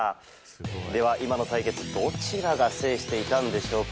では今の対決どちらが制していたんでしょうか？